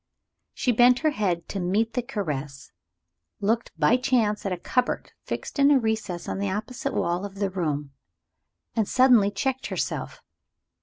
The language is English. She bent her head to meet the caress looked by chance at a cupboard fixed in a recess in the opposite wall of the room and suddenly checked herself.